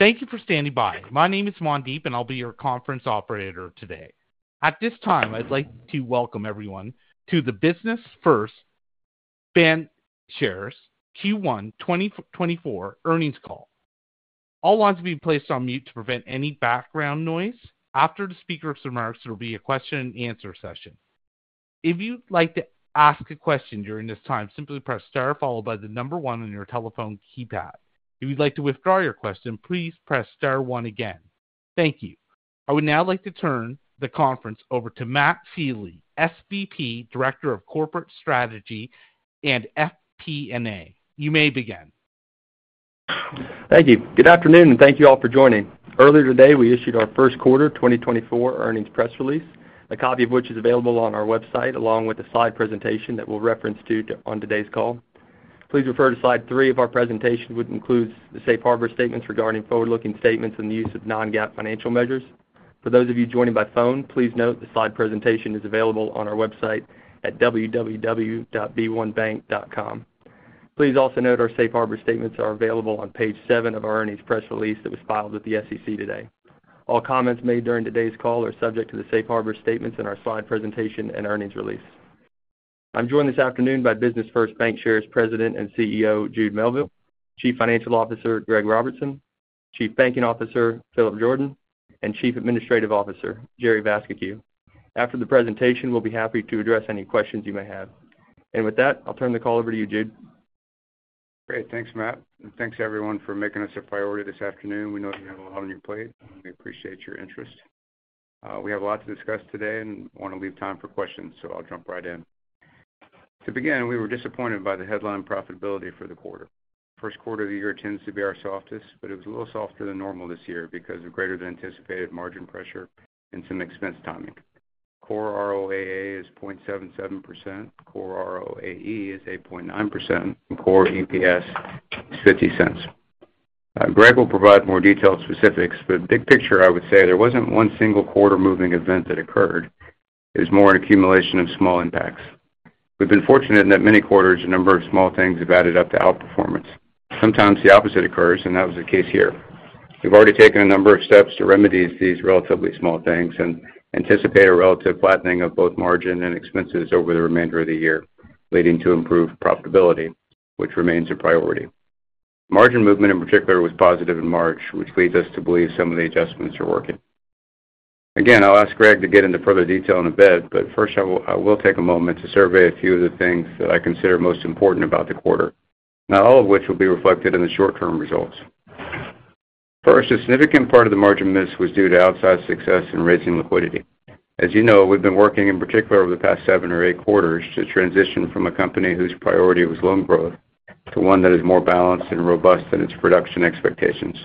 Thank you for standing by. My name is Juan Deep, and I'll be your conference operator today. At this time, I'd like to welcome everyone to the Business First Bancshares Q1 2024 Earnings Call. All lines will be placed on mute to prevent any background noise. After the speaker remarks, it'll be a question-and-answer session. If you'd like to ask a question during this time, simply press star followed by the number one on your telephone keypad. If you'd like to withdraw your question, please press star one again. Thank you. I would now like to turn the conference over to Matt Sealy, SVP, Director of Corporate Strategy and FP&A. You may begin. Thank you. Good afternoon, and thank you all for joining. Earlier today, we issued our first quarter 2024 earnings press release, a copy of which is available on our website along with a slide presentation that we'll reference to on today's call. Please refer to slide 3 of our presentation, which includes the Safe Harbor statements regarding forward-looking statements and the use of non-GAAP financial measures. For those of you joining by phone, please note the slide presentation is available on our website at www.b1bank.com. Please also note our Safe Harbor statements are available on page 7 of our earnings press release that was filed with the SEC today. All comments made during today's call are subject to the Safe Harbor statements in our slide presentation and earnings release. I'm joined this afternoon by Business First Bancshares President and CEO Jude Melville, Chief Financial Officer Greg Robertson, Chief Banking Officer Philip Jordan, and Chief Administrative Officer Jerry Vascocu. After the presentation, we'll be happy to address any questions you may have. With that, I'll turn the call over to you, Jude. Great. Thanks, Matt. Thanks to everyone for making us a priority this afternoon. We know you have a lot on your plate, and we appreciate your interest. We have a lot to discuss today and want to leave time for questions, so I'll jump right in. To begin, we were disappointed by the headline profitability for the quarter. First quarter of the year tends to be our softest, but it was a little softer than normal this year because of greater-than-anticipated margin pressure and some expense timing. Core ROAA is 0.77%, Core ROAE is 8.9%, and Core EPS is 0.50%. Greg will provide more detailed specifics, but big picture, I would say there wasn't one single quarter moving event that occurred. It was more an accumulation of small impacts. We've been fortunate in that many quarters, a number of small things have added up to outperformance. Sometimes the opposite occurs, and that was the case here. We've already taken a number of steps to remedy these relatively small things and anticipate a relative flattening of both margin and expenses over the remainder of the year, leading to improved profitability, which remains a priority. Margin movement in particular was positive in March, which leads us to believe some of the adjustments are working. Again, I'll ask Greg to get into further detail in a bit, but first, I will take a moment to survey a few of the things that I consider most important about the quarter, not all of which will be reflected in the short-term results. First, a significant part of the margin miss was due to outside success in raising liquidity. As you know, we've been working in particular over the past 7 or 8 quarters to transition from a company whose priority was loan growth to one that is more balanced and robust than its production expectations.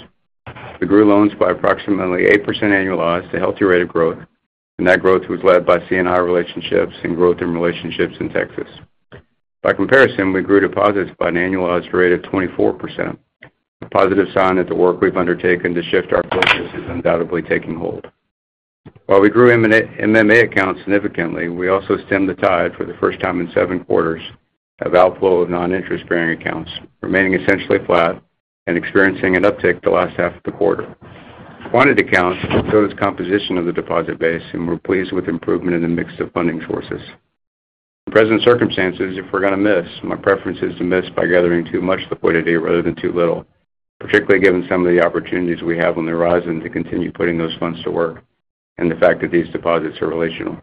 We grew loans by approximately 8% annualized to a healthy rate of growth, and that growth was led by C&I relationships and growth in relationships in Texas. By comparison, we grew deposits by an annualized rate of 24%, a positive sign that the work we've undertaken to shift our focus is undoubtedly taking hold. While we grew MMA accounts significantly, we also stemmed the tide for the first time in 7 quarters of outflow of non-interest-bearing accounts, remaining essentially flat and experiencing an uptick the last half of the quarter. Quantity of accounts showed us composition of the deposit base, and we're pleased with improvement in the mix of funding sources. In present circumstances, if we're going to miss, my preference is to miss by gathering too much liquidity rather than too little, particularly given some of the opportunities we have on the horizon to continue putting those funds to work and the fact that these deposits are relational.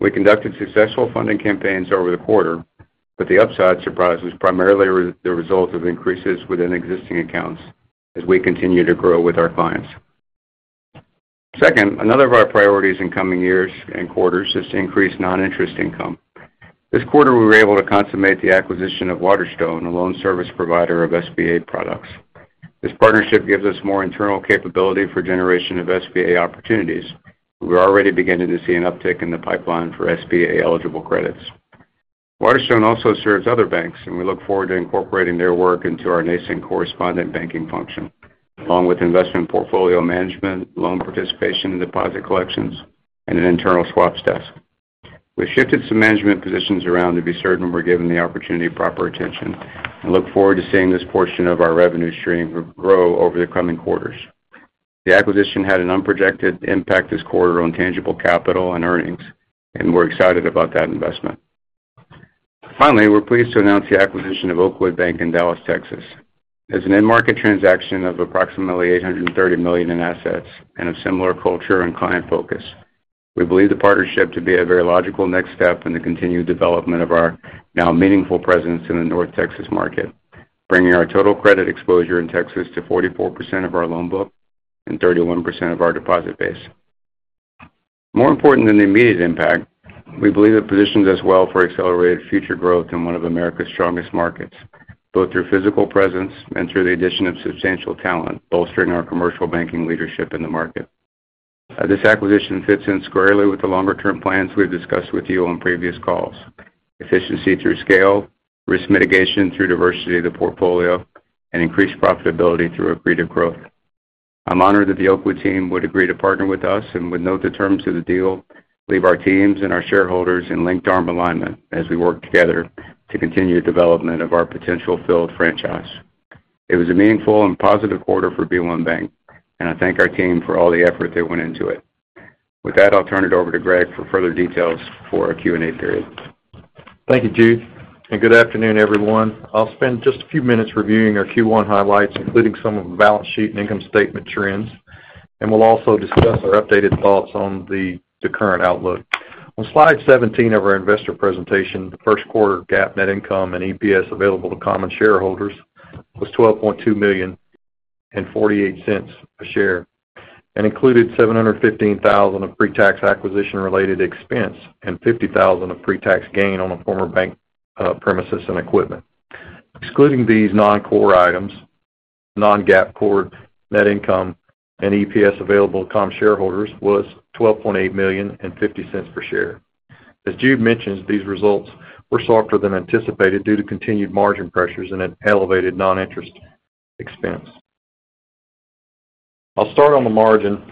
We conducted successful funding campaigns over the quarter, but the upside surprise was primarily the result of increases within existing accounts as we continue to grow with our clients. Second, another of our priorities in coming years and quarters is to increase non-interest income. This quarter, we were able to consummate the acquisition of Waterstone, a loan service provider of SBA products. This partnership gives us more internal capability for generation of SBA opportunities, and we're already beginning to see an uptick in the pipeline for SBA-eligible credits. Waterstone also serves other banks, and we look forward to incorporating their work into our nascent correspondent banking function, along with investment portfolio management, loan participations and deposit collections, and an internal swaps desk. We've shifted some management positions around to be certain we're given the opportunity proper attention and look forward to seeing this portion of our revenue stream grow over the coming quarters. The acquisition had an unexpected impact this quarter on tangible capital and earnings, and we're excited about that investment. Finally, we're pleased to announce the acquisition of Oakwood Bank in Dallas, Texas, as an in-market transaction of approximately $830 million in assets and of similar culture and client focus. We believe the partnership to be a very logical next step in the continued development of our now meaningful presence in the North Texas market, bringing our total credit exposure in Texas to 44% of our loan book and 31% of our deposit base. More important than the immediate impact, we believe it positions us well for accelerated future growth in one of America's strongest markets, both through physical presence and through the addition of substantial talent bolstering our commercial banking leadership in the market. This acquisition fits in squarely with the longer-term plans we've discussed with you on previous calls: efficiency through scale, risk mitigation through diversity of the portfolio, and increased profitability through accretive growth. I'm honored that the Oakwood team would agree to partner with us and would note the terms of the deal, leave our teams and our shareholders in linked-arm alignment as we work together to continue development of our potential-filled franchise. It was a meaningful and positive quarter for B1 Bank, and I thank our team for all the effort that went into it. With that, I'll turn it over to Greg for further details for a Q&A period. Thank you, Jude. Good afternoon, everyone. I'll spend just a few minutes reviewing our Q1 highlights, including some of the balance sheet and income statement trends, and we'll also discuss our updated thoughts on the current outlook. On slide 17 of our investor presentation, the first quarter GAAP net income and EPS available to common shareholders was $12.2 million and $0.48 a share and included $715,000 of pre-tax acquisition-related expense and $50,000 of pre-tax gain on a former bank premises and equipment. Excluding these non-core items, non-GAAP core net income and EPS available to common shareholders was $12.8 million and $0.50 per share. As Jude mentions, these results were softer than anticipated due to continued margin pressures and elevated non-interest expense. I'll start on the margin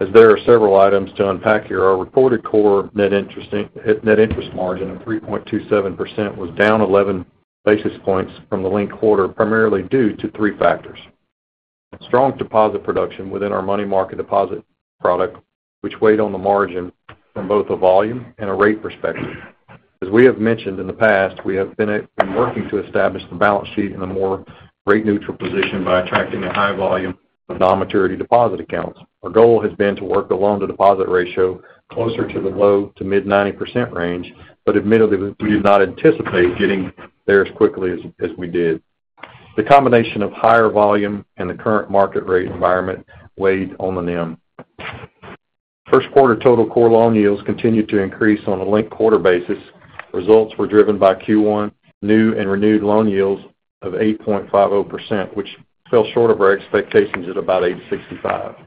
as there are several items to unpack here. Our reported core net interest margin of 3.27% was down 11 basis points from the linked quarter, primarily due to three factors: strong deposit production within our money market deposit product, which weighed on the margin from both a volume and a rate perspective. As we have mentioned in the past, we have been working to establish the balance sheet in a more rate-neutral position by attracting a high volume of non-maturity deposit accounts. Our goal has been to work the loan-to-deposit ratio closer to the low- to mid-90% range, but admittedly, we did not anticipate getting there as quickly as we did. The combination of higher volume and the current market rate environment weighed on the NIM. First quarter total core loan yields continued to increase on a linked quarter basis. Results were driven by Q1 new and renewed loan yields of 8.50%, which fell short of our expectations at about 8.65%.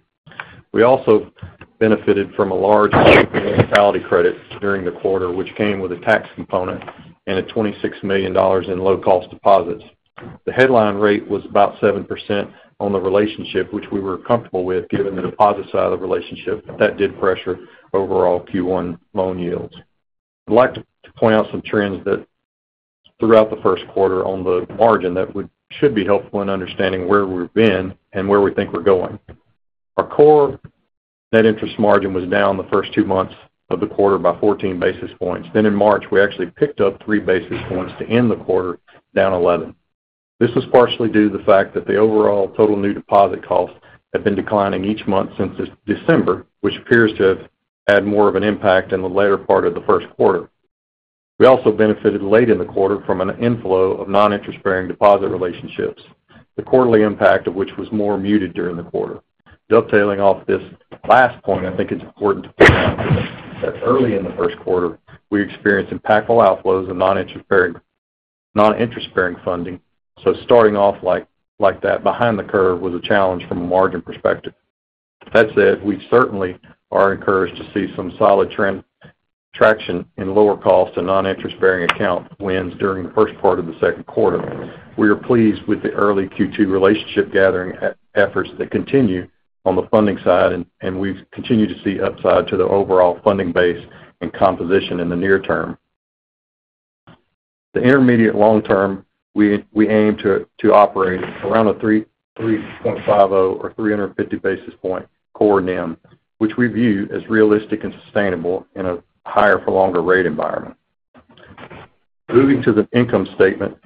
We also benefited from a large municipality credit during the quarter, which came with a tax component and a $26 million in low-cost deposits. The headline rate was about 7% on the relationship, which we were comfortable with given the deposit side of the relationship, but that did pressure overall Q1 loan yields. I'd like to point out some trends throughout the first quarter on the margin that should be helpful in understanding where we've been and where we think we're going. Our core net interest margin was down the first two months of the quarter by 14 basis points. Then in March, we actually picked up 3 basis points to end the quarter, down 11. This was partially due to the fact that the overall total new deposit costs had been declining each month since December, which appears to have had more of an impact in the later part of the first quarter. We also benefited late in the quarter from an inflow of non-interest-bearing deposit relationships, the quarterly impact of which was more muted during the quarter. Detailing off this last point, I think it's important to point out that early in the first quarter, we experienced impactful outflows of non-interest-bearing funding, so starting off like that behind the curve was a challenge from a margin perspective. That said, we certainly are encouraged to see some solid traction in lower-cost and non-interest-bearing account wins during the first part of the second quarter. We are pleased with the early Q2 relationship gathering efforts that continue on the funding side, and we continue to see upside to the overall funding base and composition in the near term. The intermediate long term, we aim to operate around a 3.50 or 350 basis point core NIM, which we view as realistic and sustainable in a higher-for-longer rate environment. Moving to the income statement,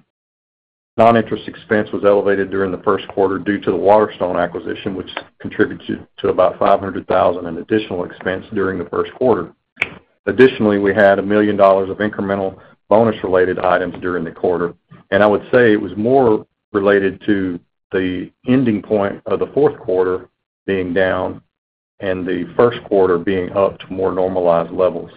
non-interest expense was elevated during the first quarter due to the Waterstone acquisition, which contributed to about $500,000 in additional expense during the first quarter. Additionally, we had $1 million of incremental bonus-related items during the quarter, and I would say it was more related to the ending point of the fourth quarter being down and the first quarter being up to more normalized levels.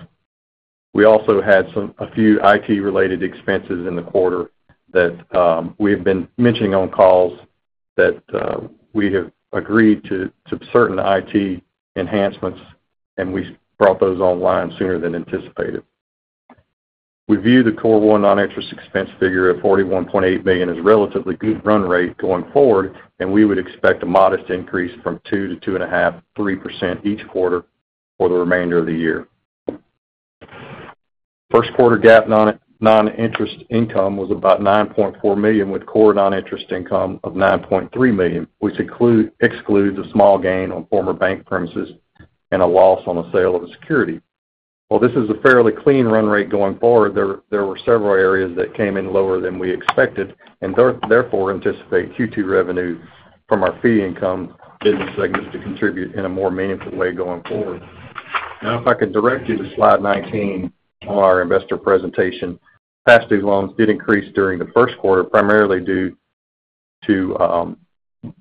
We also had a few IT-related expenses in the quarter that we have been mentioning on calls that we have agreed to certain IT enhancements, and we brought those online sooner than anticipated. We view the core non-interest expense figure at $41.8 million as a relatively good run rate going forward, and we would expect a modest increase from 2%-2.5%-3% each quarter for the remainder of the year. First quarter GAAP non-interest income was about $9.4 million with core non-interest income of $9.3 million, which excludes a small gain on former bank premises and a loss on the sale of a security. While this is a fairly clean run rate going forward, there were several areas that came in lower than we expected and therefore anticipate Q2 revenue from our fee income business segments to contribute in a more meaningful way going forward. Now, if I can direct you to slide 19 on our investor presentation, past due loans did increase during the first quarter, primarily due to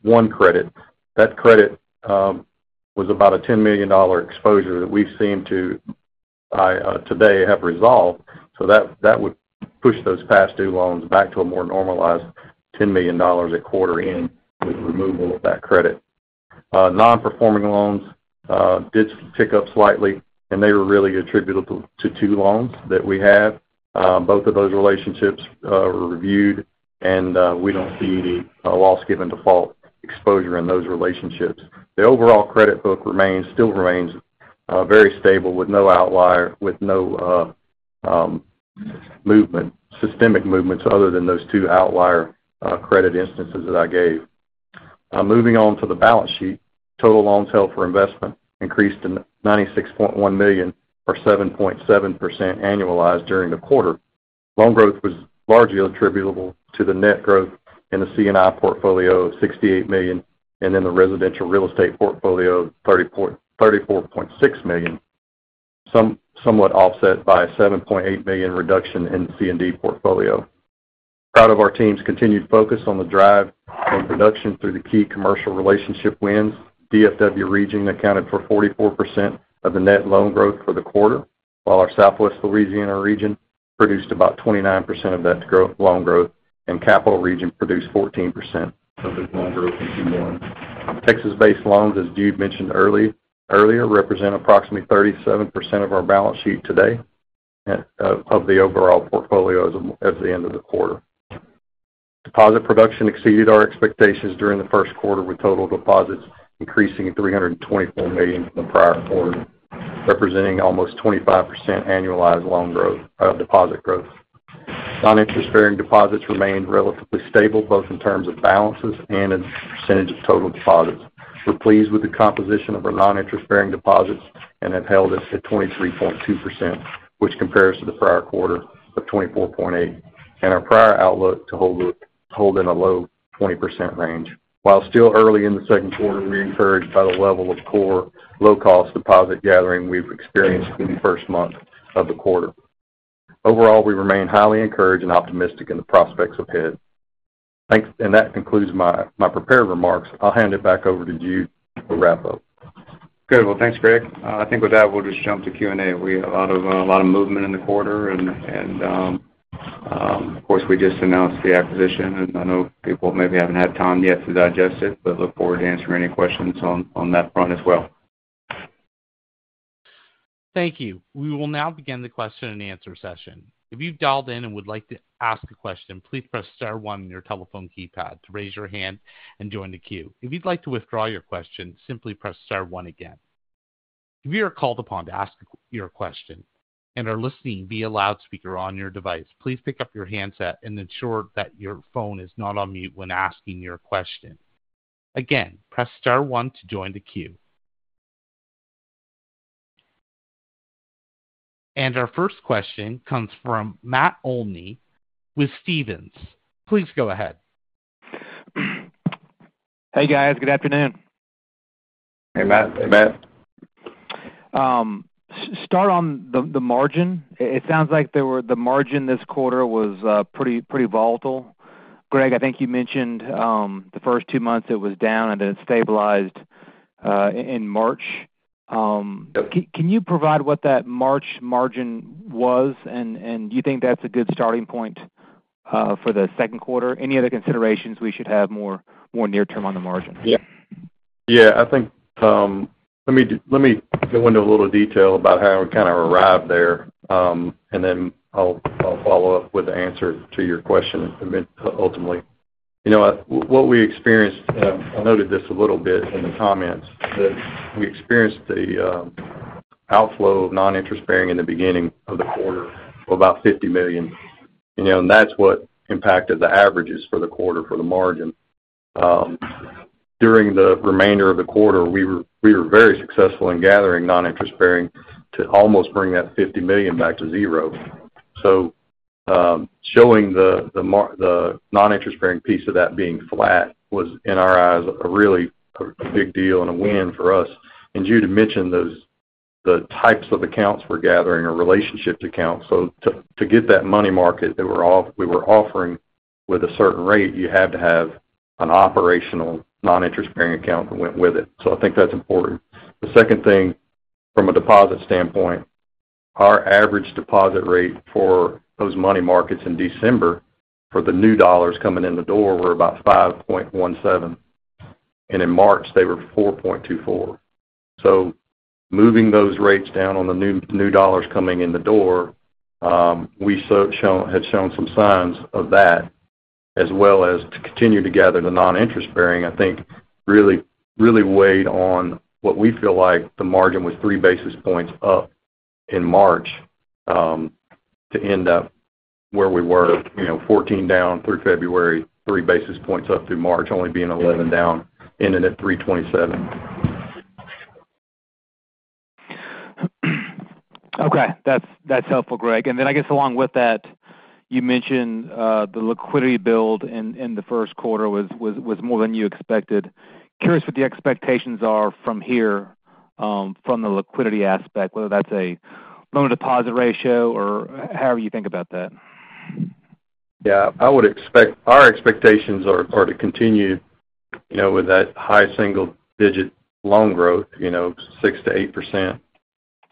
one credit. That credit was about a $10 million exposure that we've seemed to, today, have resolved, so that would push those past due loans back to a more normalized $10 million at quarter end with removal of that credit. Non-performing loans did tick up slightly, and they were really attributable to two loans that we have. Both of those relationships were reviewed, and we don't see any loss given default exposure in those relationships. The overall credit book still remains very stable with no outlier, with no systemic movements other than those two outlier credit instances that I gave. Moving on to the balance sheet, total loans held for investment increased to $96.1 million or 7.7% annualized during the quarter. Loan growth was largely attributable to the net growth in the C&I portfolio of $68 million and then the residential real estate portfolio of $34.6 million, somewhat offset by a $7.8 million reduction in the C&D portfolio. Proud of our team's continued focus on the drive in production through the key commercial relationship wins, DFW Region accounted for 44% of the net loan growth for the quarter, while our Southwest Louisiana Region produced about 29% of that loan growth, and Capital Region produced 14% of this loan growth in Q1. Texas-based loans, as Jude mentioned earlier, represent approximately 37% of our balance sheet today of the overall portfolio as of the end of the quarter. Deposit production exceeded our expectations during the first quarter, with total deposits increasing to $324 million from the prior quarter, representing almost 25% annualized loan growth of deposit growth. Non-interest-bearing deposits remained relatively stable, both in terms of balances and in percentage of total deposits. We're pleased with the composition of our non-interest-bearing deposits and have held us at 23.2%, which compares to the prior quarter of 24.8% and our prior outlook to hold in a low 20% range. While still early in the second quarter, we're encouraged by the level of core low-cost deposit gathering we've experienced in the first month of the quarter. Overall, we remain highly encouraged and optimistic in the prospects ahead. And that concludes my prepared remarks. I'll hand it back over to Jude for wrap-up. Good. Well, thanks, Greg. I think with that, we'll just jump to Q&A. We had a lot of movement in the quarter, and of course, we just announced the acquisition, and I know people maybe haven't had time yet to digest it, but look forward to answering any questions on that front as well. Thank you. We will now begin the question-and-answer session. If you've dialed in and would like to ask a question, please press star one on your telephone keypad to raise your hand and join the queue. If you'd like to withdraw your question, simply press star one again. If you are called upon to ask your question and are listening via loudspeaker on your device, please pick up your handset and ensure that your phone is not on mute when asking your question. Again, press star one to join the queue. And our first question comes from Matt Olney with Stephens. Please go ahead. Hey, guys. Good afternoon. Hey, Matt. Hey, Matt. Start on the margin. It sounds like the margin this quarter was pretty volatile. Greg, I think you mentioned the first two months it was down and then it stabilized in March. Can you provide what that March margin was, and do you think that's a good starting point for the second quarter? Any other considerations we should have more near-term on the margin? Yeah. Yeah. I think let me go into a little detail about how we kind of arrived there, and then I'll follow up with the answer to your question ultimately. What we experienced, and I noted this a little bit in the comments, that we experienced the outflow of non-interest-bearing in the beginning of the quarter of about $50 million, and that's what impacted the averages for the quarter for the margin. During the remainder of the quarter, we were very successful in gathering non-interest-bearing to almost bring that $50 million back to zero. So showing the non-interest-bearing piece of that being flat was, in our eyes, a really big deal and a win for us. And Jude mentioned the types of accounts we're gathering, our relationship accounts. So to get that money market that we were offering with a certain rate, you had to have an operational non-interest-bearing account that went with it. So I think that's important. The second thing, from a deposit standpoint, our average deposit rate for those money markets in December for the new dollars coming in the door were about 5.17, and in March, they were 4.24. So moving those rates down on the new dollars coming in the door, we had shown some signs of that, as well as to continue to gather the non-interest-bearing, I think really weighed on what we feel like the margin was three basis points up in March to end up where we were, 14 down through February, three basis points up through March, only being 11 down, ending at 327. Okay. That's helpful, Greg. And then I guess along with that, you mentioned the liquidity build in the first quarter was more than you expected. Curious what the expectations are from here from the liquidity aspect, whether that's a loan-to-deposit ratio or however you think about that. Yeah. Our expectations are to continue with that high single-digit loan growth, 6%-8%,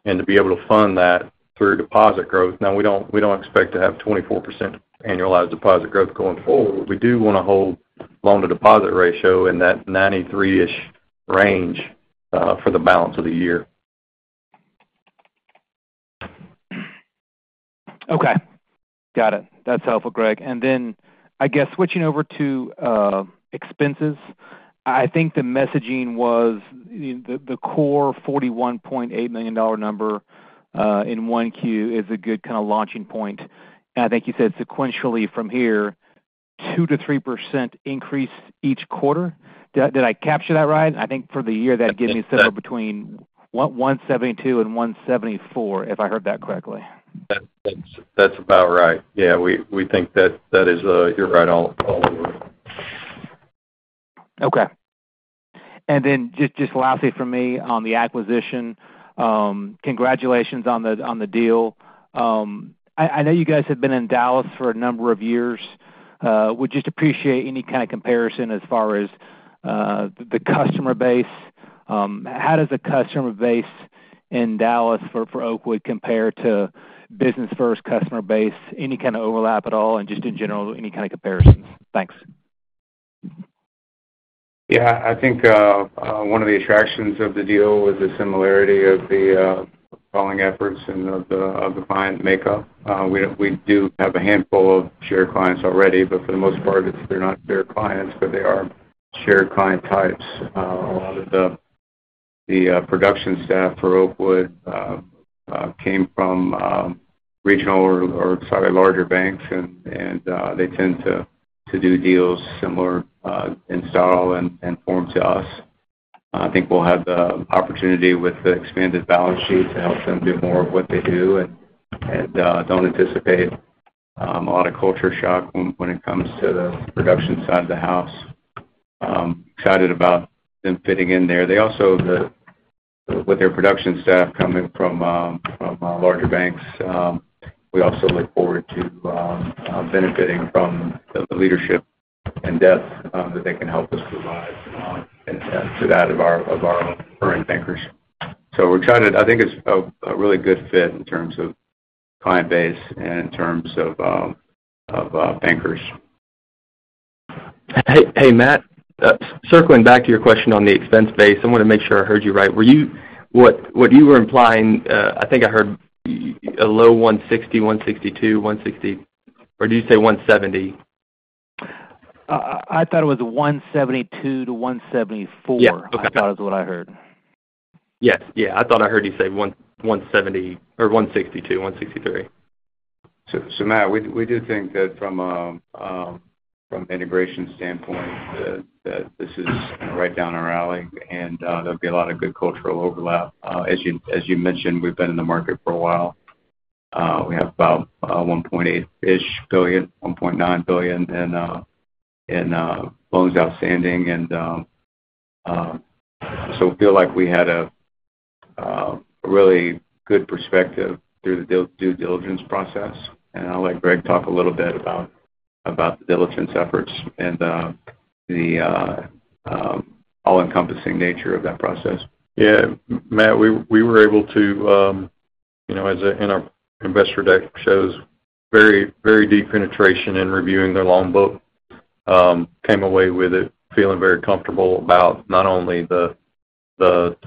and to be able to fund that through deposit growth. Now, we don't expect to have 24% annualized deposit growth going forward, but we do want to hold loan-to-deposit ratio in that 93-ish range for the balance of the year. Okay. Got it. That's helpful, Greg. And then I guess switching over to expenses, I think the messaging was the core $41.8 million number in Q1 is a good kind of launching point. And I think you said sequentially from here, 2%-3% increase each quarter. Did I capture that right? I think for the year, that'd give me somewhere between $172 million and $174 million, if I heard that correctly. That's about right. Yeah. We think that is, you're right all over it. Okay. And then just lastly from me on the acquisition, congratulations on the deal. I know you guys have been in Dallas for a number of years. We'd just appreciate any kind of comparison as far as the customer base. How does the customer base in Dallas for Oakwood compare to Business First customer base? Any kind of overlap at all, and just in general, any kind of comparisons? Thanks. Yeah. I think one of the attractions of the deal was the similarity of the calling efforts and of the client makeup. We do have a handful of shared clients already, but for the most part, they're not shared clients, but they are shared client types. A lot of the production staff for Oakwood came from regional or slightly larger banks, and they tend to do deals similar in style and form to us. I think we'll have the opportunity with the expanded balance sheet to help them do more of what they do and don't anticipate a lot of culture shock when it comes to the production side of the house. Excited about them fitting in there. Also, with their production staff coming from larger banks, we also look forward to benefiting from the leadership and depth that they can help us provide to that of our own current bankers. So we're excited. I think it's a really good fit in terms of client base and in terms of bankers. Hey, Matt. Circling back to your question on the expense base, I want to make sure I heard you right. What you were implying, I think I heard a low $160, $162, $160, or did you say $170? I thought it was 172-174. I thought that was what I heard. Yes. Yeah. I thought I heard you say 170 or 162, 163. So, Matt, we do think that from an integration standpoint, that this is right down our alley, and there'll be a lot of good cultural overlap. As you mentioned, we've been in the market for a while. We have about $1.8 billion-ish, $1.9 billion in loans outstanding. And so we feel like we had a really good perspective through the due diligence process. And I'll let Greg talk a little bit about the diligence efforts and the all-encompassing nature of that process. Yeah. Matt, we were able to, as in our investor deck shows, very deep penetration in reviewing their loan book. Came away with it feeling very comfortable about not only the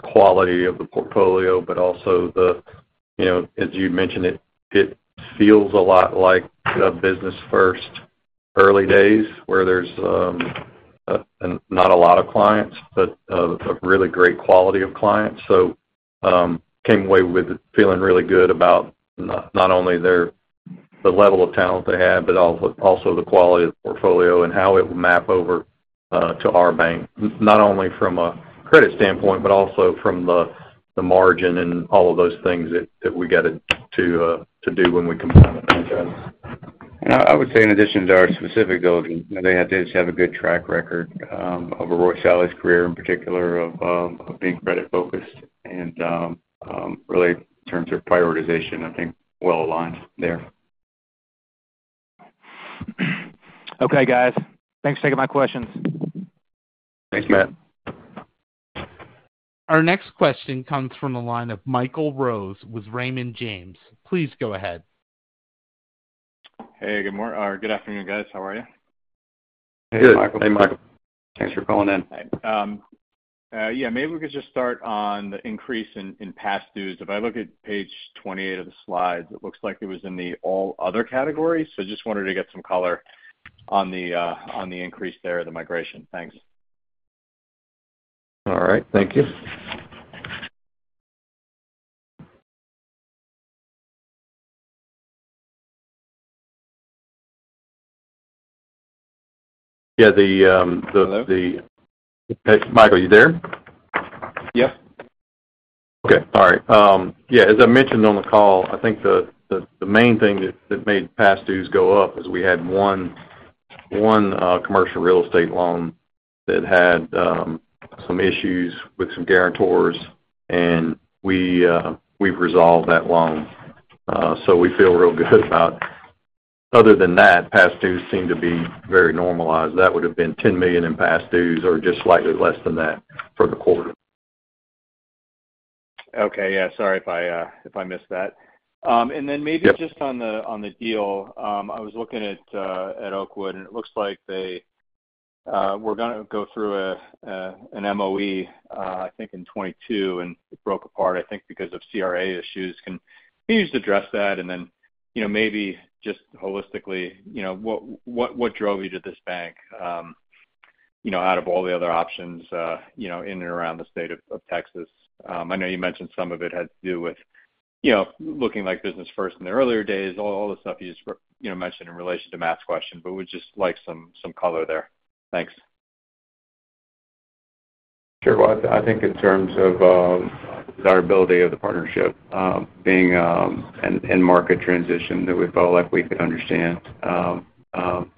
quality of the portfolio but also the, as you'd mentioned, it feels a lot like a Business First early days where there's not a lot of clients but a really great quality of clients. So came away with feeling really good about not only the level of talent they have but also the quality of the portfolio and how it will map over to our bank, not only from a credit standpoint but also from the margin and all of those things that we got to do when we compile it. I would say, in addition to our specific building, they did have a good track record of Roy Salley's career in particular of being credit-focused and really, in terms of prioritization, I think well aligned there. Okay, guys. Thanks for taking my questions. Thanks, Matt. Our next question comes from the line of Michael Rose with Raymond James. Please go ahead. Hey. Good afternoon, guys. How are you? Hey, Michael. Hey, Michael. Thanks for calling in. Hey. Yeah. Maybe we could just start on the increase in past dues. If I look at page 28 of the slides, it looks like it was in the all-other category. So just wanted to get some color on the increase there, the migration. Thanks. All right. Thank you. Yeah. The. Hello? Michael, are you there? Yep. Okay. All right. Yeah. As I mentioned on the call, I think the main thing that made past dues go up is we had one commercial real estate loan that had some issues with some guarantors, and we've resolved that loan. So we feel real good about other than that, past dues seem to be very normalized. That would have been $10 million in past dues or just slightly less than that for the quarter. Okay. Yeah. Sorry if I missed that. And then maybe just on the deal, I was looking at Oakwood, and it looks like they were going to go through an MOE, I think, in 2022, and it broke apart, I think, because of CRA issues. Can you just address that and then maybe just holistically, what drove you to this bank out of all the other options in and around the state of Texas? I know you mentioned some of it had to do with looking like Business First in the earlier days, all the stuff you just mentioned in relation to Matt's question, but we'd just like some color there. Thanks. Sure. Well, I think in terms of the desirability of the partnership, being in-market transition that we felt like we could understand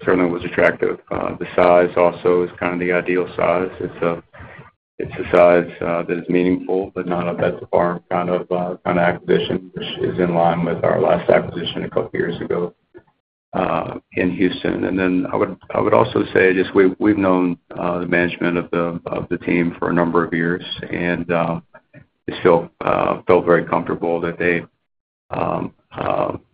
certainly was attractive. The size also is kind of the ideal size. It's a size that is meaningful but not a bet-the-farm kind of acquisition, which is in line with our last acquisition a couple of years ago in Houston. And then I would also say just we've known the management of the team for a number of years and just felt very comfortable that they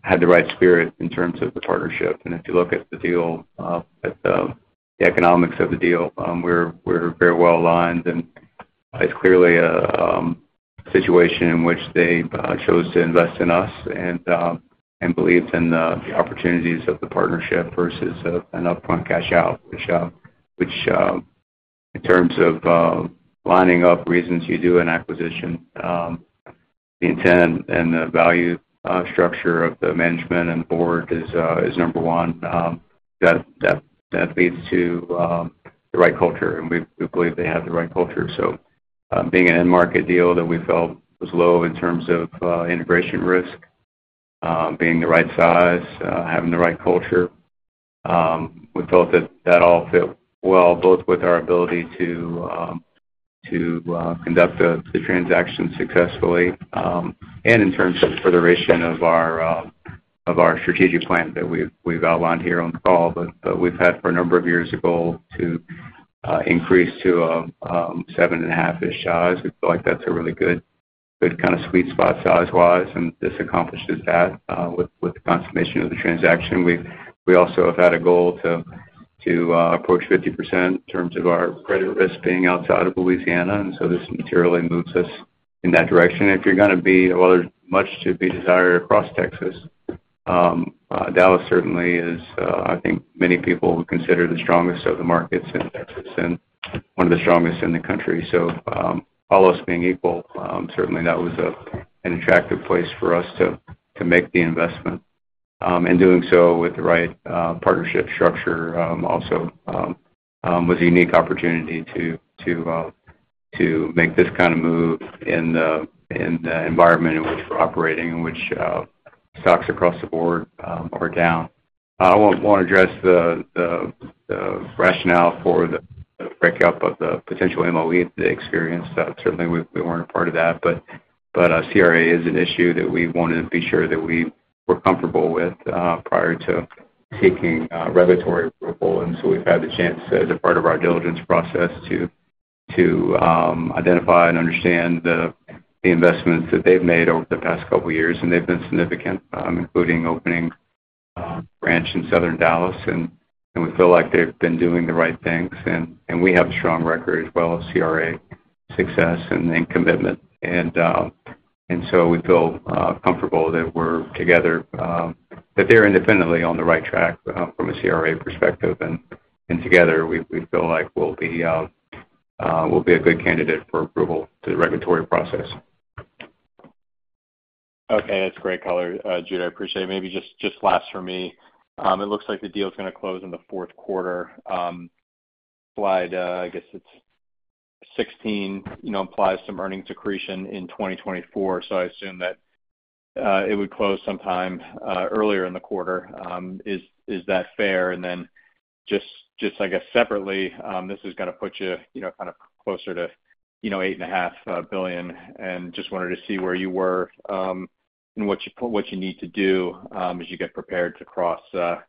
had the right spirit in terms of the partnership. If you look at the deal, at the economics of the deal, we're very well aligned, and it's clearly a situation in which they chose to invest in us and believed in the opportunities of the partnership versus an upfront cash-out, which in terms of lining up reasons you do an acquisition, the intent and the value structure of the management and the board is number one. That leads to the right culture, and we believe they have the right culture. Being an in-market deal that we felt was low in terms of integration risk, being the right size, having the right culture, we felt that that all fit well both with our ability to conduct the transaction successfully and in terms of the furtherance of our strategic plan that we've outlined here on the call. But we've had for a number of years a goal to increase to a 7.5-ish size. We feel like that's a really good kind of sweet spot size-wise, and this accomplishes that with the consummation of the transaction. We also have had a goal to approach 50% in terms of our credit risk being outside of Louisiana, and so this materially moves us in that direction. If you're going to be well, there's much to be desired across Texas. Dallas certainly is, I think, many people would consider the strongest of the markets in Texas and one of the strongest in the country. So all of us being equal, certainly, that was an attractive place for us to make the investment. Doing so with the right partnership structure also was a unique opportunity to make this kind of move in the environment in which we're operating, in which stocks across the board are down. I won't address the rationale for the breakup of the potential MOE that they experienced. Certainly, we weren't a part of that. But CRA is an issue that we wanted to be sure that we were comfortable with prior to seeking regulatory approval. And so we've had the chance, as a part of our diligence process, to identify and understand the investments that they've made over the past couple of years, and they've been significant, including opening a branch in southern Dallas. And we feel like they've been doing the right things, and we have a strong record as well of CRA success and commitment. So we feel comfortable that we're together, that they're independently on the right track from a CRA perspective. Together, we feel like we'll be a good candidate for approval through the regulatory process. Okay. That's great color, Jude. I appreciate it. Maybe just last for me, it looks like the deal's going to close in the fourth quarter. Slide, I guess it's 16, implies some earnings accretion in 2024, so I assume that it would close sometime earlier in the quarter. Is that fair? And then just, I guess, separately, this is going to put you kind of closer to $8.5 billion. And just wanted to see where you were and what you need to do as you get prepared to cross $10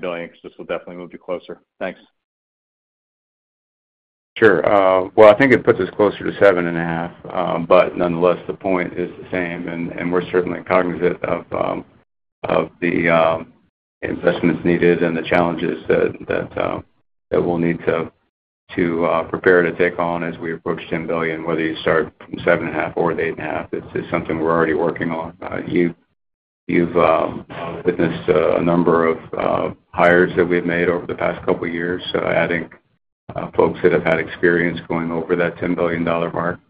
billion because this will definitely move you closer. Thanks. Sure. Well, I think it puts us closer to $7.5. But nonetheless, the point is the same, and we're certainly cognizant of the investments needed and the challenges that we'll need to prepare to take on as we approach $10 billion, whether you start from $7.5 or the $8.5. It's something we're already working on. You've witnessed a number of hires that we've made over the past couple of years, adding folks that have had experience going over that $10 billion mark.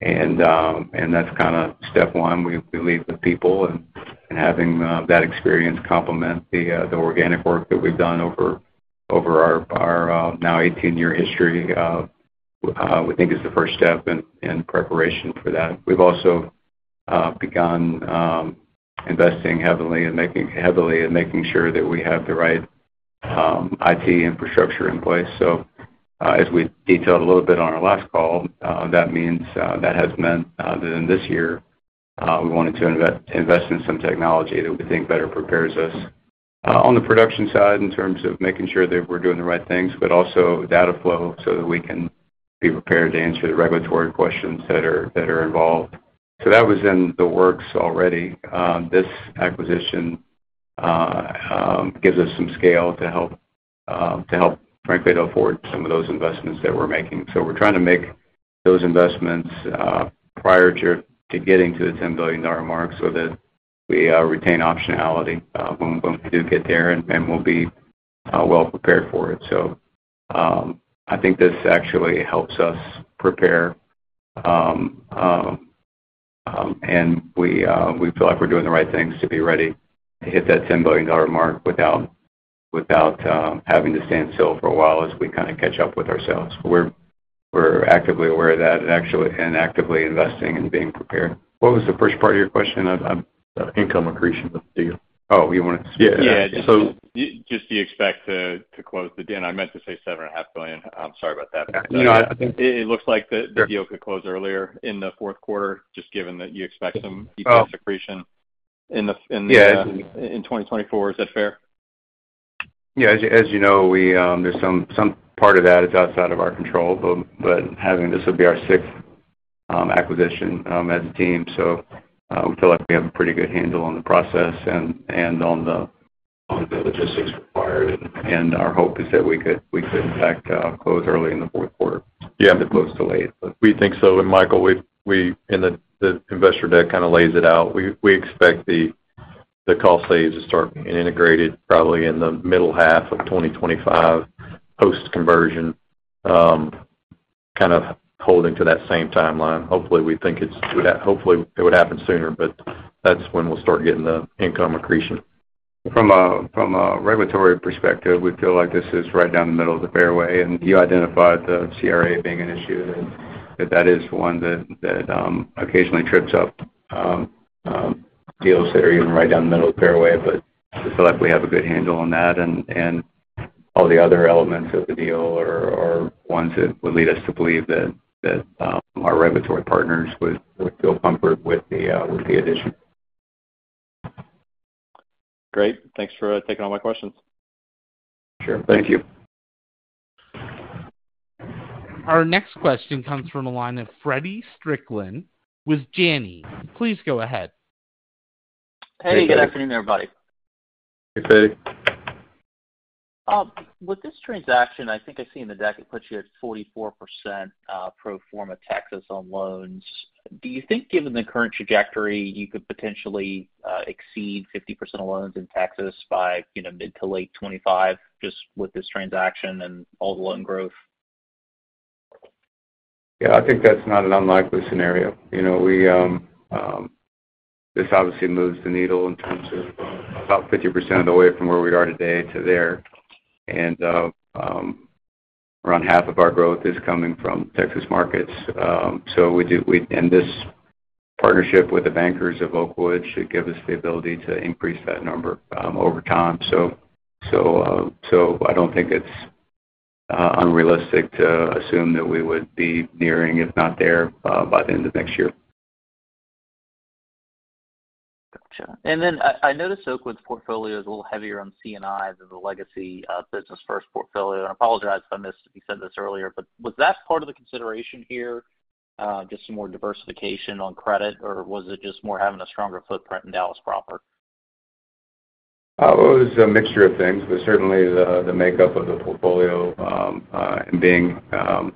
And that's kind of step one. We lead with people, and having that experience complement the organic work that we've done over our now 18-year history we think is the first step in preparation for that. We've also begun investing heavily and making sure that we have the right IT infrastructure in place. So as we detailed a little bit on our last call, that has meant that in this year, we wanted to invest in some technology that we think better prepares us on the production side in terms of making sure that we're doing the right things but also data flow so that we can be prepared to answer the regulatory questions that are involved. So that was in the works already. This acquisition gives us some scale to help, frankly, to afford some of those investments that we're making. So we're trying to make those investments prior to getting to the $10 billion mark so that we retain optionality when we do get there and we'll be well prepared for it. So I think this actually helps us prepare, and we feel like we're doing the right things to be ready to hit that $10 billion mark without having to stand still for a while as we kind of catch up with ourselves. We're actively aware of that and actively investing and being prepared. What was the first part of your question? Income accretion with the deal. Oh, you wanted to? Yeah. So just do you expect to close the and I meant to say $7.5 billion. I'm sorry about that. It looks like the deal could close earlier in the fourth quarter just given that you expect some EPS accretion in 2024. Is that fair? Yeah. As you know, there's some part of that that's outside of our control, but having this would be our sixth acquisition as a team. We feel like we have a pretty good handle on the process and on the logistics required. Our hope is that we could, in fact, close early in the fourth quarter as opposed to late. Yeah. We think so. And Michael, in the investor deck kind of lays it out. We expect the cost saves to start being integrated probably in the middle half of 2025 post-conversion, kind of holding to that same timeline. Hopefully, we think it's hopefully, it would happen sooner, but that's when we'll start getting the income accretion. From a regulatory perspective, we feel like this is right down the middle of the fairway. You identified the CRA being an issue that is one that occasionally trips up deals that are even right down the middle of the fairway. We feel like we have a good handle on that. All the other elements of the deal are ones that would lead us to believe that our regulatory partners would feel comforted with the addition. Great. Thanks for taking all my questions. Sure. Thank you. Our next question comes from the line of Freddie Strickland with Janney. Please go ahead. Hey. Good afternoon, everybody. Hey, Freddie. With this transaction, I think I see in the deck it puts you at 44% pro forma Texas on loans. Do you think, given the current trajectory, you could potentially exceed 50% of loans in Texas by mid to late 2025 just with this transaction and all the loan growth? Yeah. I think that's not an unlikely scenario. This obviously moves the needle in terms of about 50% of the way from where we are today to there. And around half of our growth is coming from Texas markets. So this partnership with the bankers of Oakwood should give us the ability to increase that number over time. So I don't think it's unrealistic to assume that we would be nearing, if not there, by the end of next year. Gotcha. And then I noticed Oakwood's portfolio is a little heavier on C&I than the legacy Business First portfolio. And I apologize if I missed if you said this earlier, but was that part of the consideration here, just some more diversification on credit, or was it just more having a stronger footprint in Dallas Proper? It was a mixture of things, but certainly, the makeup of the portfolio and being an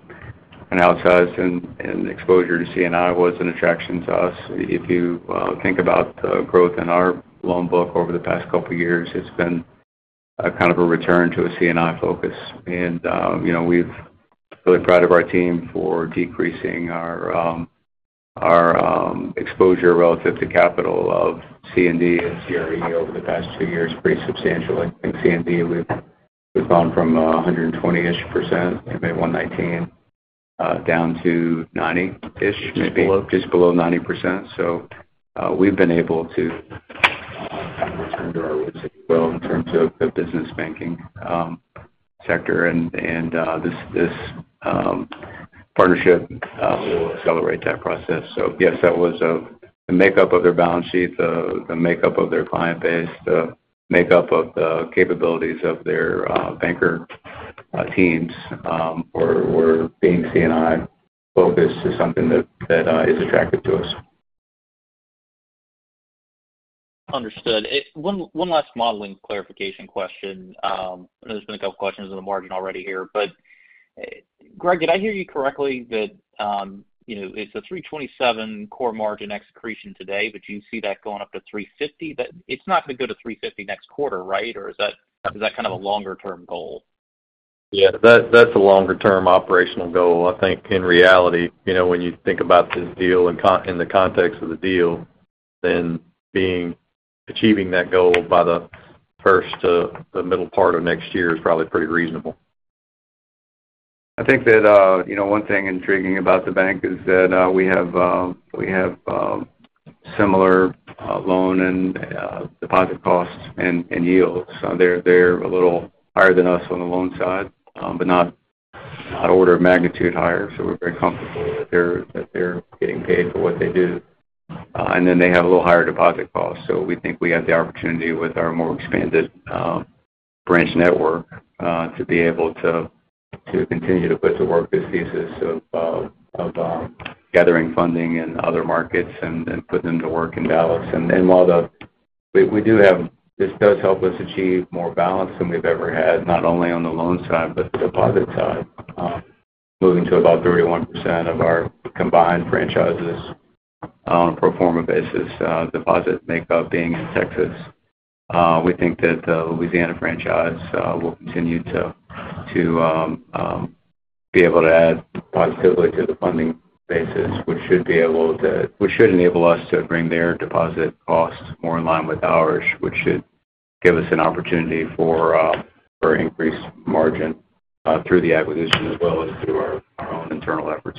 outsize and exposure to C&I was an attraction to us. If you think about the growth in our loan book over the past couple of years, it's been kind of a return to a C&I focus. And we're really proud of our team for decreasing our exposure relative to capital of C&D and CRE over the past two years pretty substantially. I think C&D, we've gone from 120-ish%, maybe 119%, down to 90-ish%, maybe. Just below? Just below 90%. So we've been able to kind of return to our roots as well in terms of the business banking sector, and this partnership will accelerate that process. So yes, that was the makeup of their balance sheet, the makeup of their client base, the makeup of the capabilities of their banker teams were being C&I focused to something that is attractive to us. Understood. One last modeling clarification question. I know there's been a couple of questions in the margin already here, but Greg, did I hear you correctly that it's a 327 core margin expansion today, but do you see that going up to 350? It's not going to go to 350 next quarter, right? Or is that kind of a longer-term goal? Yeah. That's a longer-term operational goal. I think, in reality, when you think about this deal in the context of the deal, then achieving that goal by the middle part of next year is probably pretty reasonable. I think that one thing intriguing about the bank is that we have similar loan and deposit costs and yields. They're a little higher than us on the loan side but not order of magnitude higher. So we're very comfortable that they're getting paid for what they do. And then they have a little higher deposit cost. So we think we have the opportunity with our more expanded branch network to be able to continue to put to work this thesis of gathering funding in other markets and put them to work in Dallas. And while we do have this does help us achieve more balance than we've ever had, not only on the loan side but the deposit side, moving to about 31% of our combined franchises on a pro forma basis, deposit makeup being in Texas. We think that the Louisiana franchise will continue to be able to add positively to the funding basis, which should enable us to bring their deposit costs more in line with ours, which should give us an opportunity for increased margin through the acquisition as well as through our own internal efforts.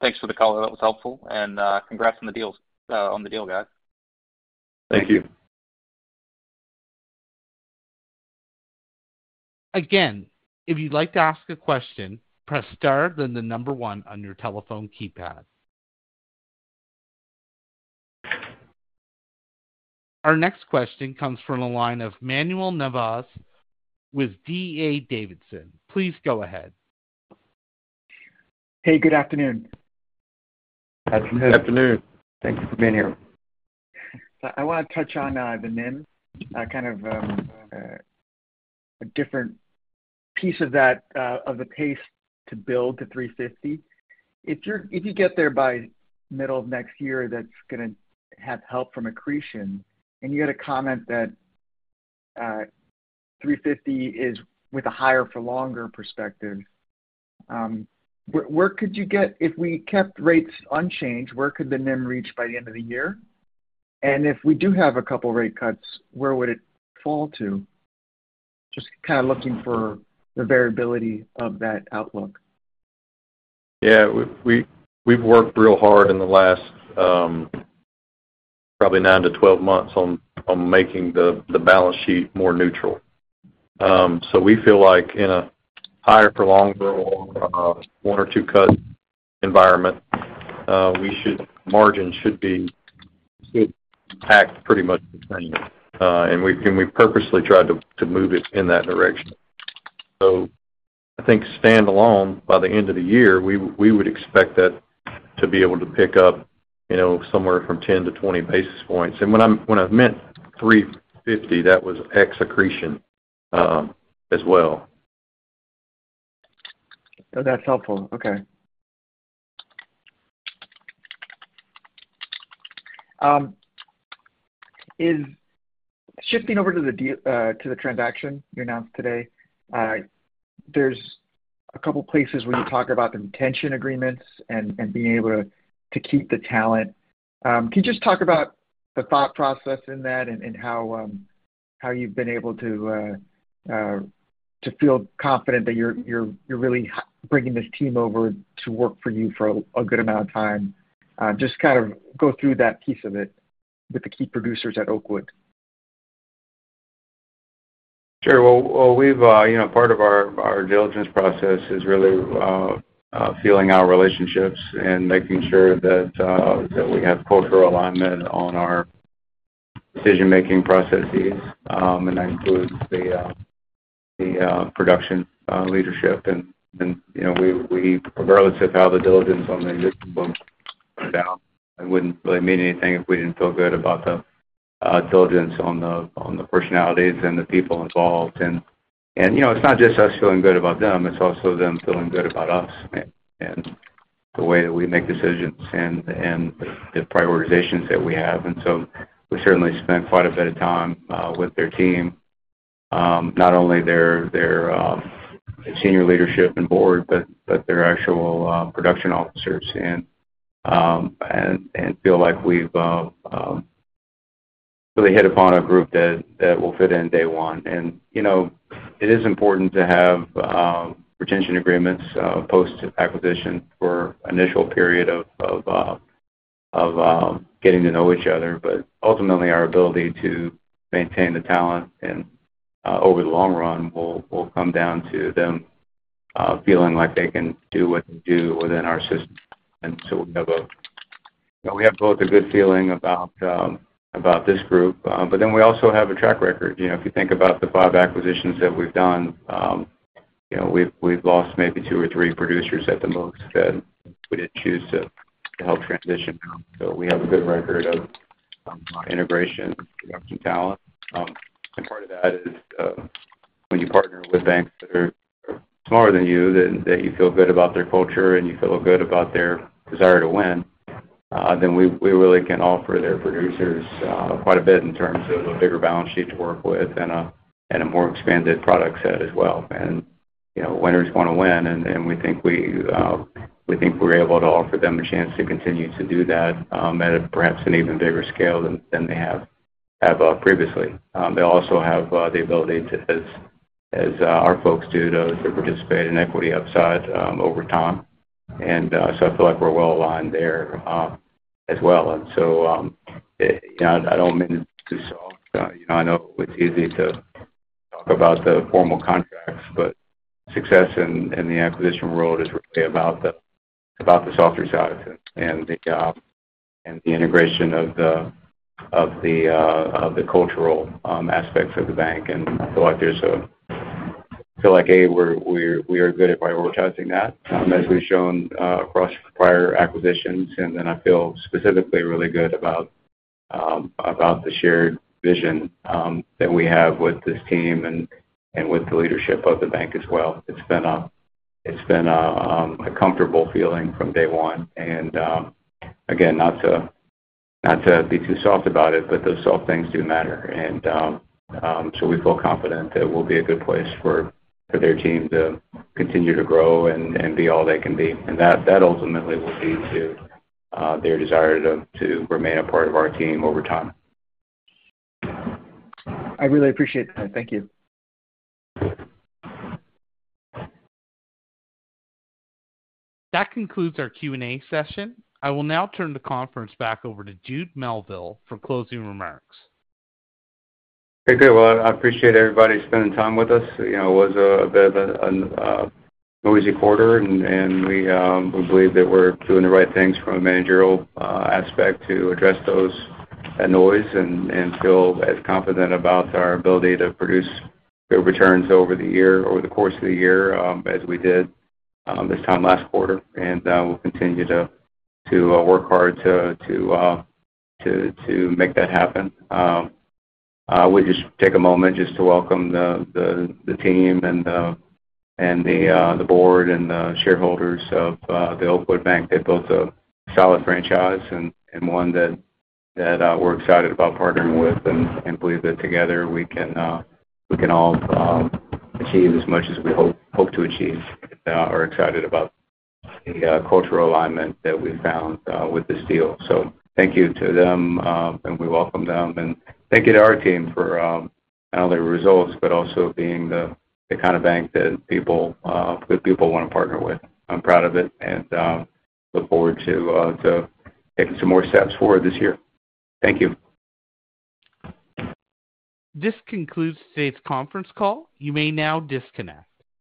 Thanks for the call. That was helpful. Congrats on the deal, guys. Thank you. Again, if you'd like to ask a question, press star then the number one on your telephone keypad. Our next question comes from the line of Manuel Navas with D.A. Davidson. Please go ahead. Hey. Good afternoon. Good afternoon. Good afternoon. Thank you for being here. So I want to touch on the NIM, kind of a different piece of the pace to build to 350. If you get there by middle of next year that's going to have help from accretion, and you had a comment that 350 is with a higher-for-longer perspective, where could you get if we kept rates unchanged, where could the NIM reach by the end of the year? And if we do have a couple of rate cuts, where would it fall to? Just kind of looking for the variability of that outlook. Yeah. We've worked real hard in the last probably 9-12 months on making the balance sheet more neutral. So we feel like in a higher-for-longer one or two cut environment, margins should act pretty much the same. And we purposely tried to move it in that direction. So I think standalone, by the end of the year, we would expect that to be able to pick up somewhere from 10-20 basis points. And when I meant 350, that was ex-accretion as well. Oh, that's helpful. Okay. Shifting over to the transaction you announced today, there's a couple of places where you talk about the retention agreements and being able to keep the talent. Can you just talk about the thought process in that and how you've been able to feel confident that you're really bringing this team over to work for you for a good amount of time? Just kind of go through that piece of it with the key producers at Oakwood. Sure. Well, part of our diligence process is really feeling our relationships and making sure that we have cultural alignment on our decision-making processes. And that includes the production leadership. And regardless of how the diligence on the existing books went down, it wouldn't really mean anything if we didn't feel good about the diligence on the personalities and the people involved. And it's not just us feeling good about them. It's also them feeling good about us and the way that we make decisions and the prioritizations that we have. And so we certainly spent quite a bit of time with their team, not only their senior leadership and board but their actual production officers, and feel like we've really hit upon a group that will fit in day one. And it is important to have retention agreements post-acquisition for an initial period of getting to know each other. Ultimately, our ability to maintain the talent over the long run will come down to them feeling like they can do what they do within our system. We have both a good feeling about this group. We also have a track record. If you think about the five acquisitions that we've done, we've lost maybe two or three producers at the most that we didn't choose to help transition to. We have a good record of integration production talent. Part of that is when you partner with banks that are smaller than you, that you feel good about their culture, and you feel good about their desire to win, then we really can offer their producers quite a bit in terms of a bigger balance sheet to work with and a more expanded product set as well. Winners want to win, and we think we're able to offer them a chance to continue to do that at perhaps an even bigger scale than they have previously. They also have the ability, as our folks do, to participate in equity upside over time. And so I feel like we're well aligned there as well. And so I don't mean to be soft. I know it's easy to talk about the formal contracts, but success in the acquisition world is really about the softer side and the integration of the cultural aspects of the bank. And I feel like, A, we are good at prioritizing that as we've shown across prior acquisitions. And then I feel specifically really good about the shared vision that we have with this team and with the leadership of the bank as well. It's been a comfortable feeling from day one. And again, not to be too soft about it, but those soft things do matter. And so we feel confident that we'll be a good place for their team to continue to grow and be all they can be. And that ultimately will lead to their desire to remain a part of our team over time. I really appreciate that. Thank you. That concludes our Q&A session. I will now turn the conference back over to Jude Melville for closing remarks. Hey, good. Well, I appreciate everybody spending time with us. It was a bit of a noisy quarter, and we believe that we're doing the right things from a managerial aspect to address that noise and feel as confident about our ability to produce good returns over the year over the course of the year as we did this time last quarter. We'll continue to work hard to make that happen. I would just take a moment just to welcome the team and the board and the shareholders of Oakwood Bank. They've built a solid franchise and one that we're excited about partnering with and believe that together, we can all achieve as much as we hope to achieve. We're excited about the cultural alignment that we found with this deal. Thank you to them, and we welcome them. Thank you to our team for not only the results but also being the kind of bank that good people want to partner with. I'm proud of it and look forward to taking some more steps forward this year. Thank you. This concludes today's conference call. You may now disconnect.